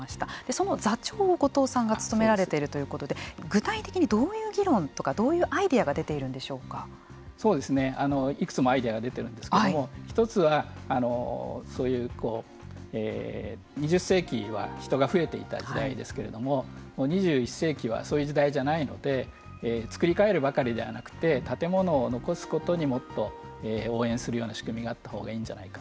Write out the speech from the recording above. その座長を後藤さんが務められているということで具体的にどういう議論とかどういうアイデアがいくつもアイデアが出ているんですけれども１つはそういう２０世紀は人が増えていた時代ですけれども２１世紀はそういう時代じゃないのでつくり替えるばかりではなくて建物を残すことにもっと応援するような仕組みがあったほうがいいんじゃないか。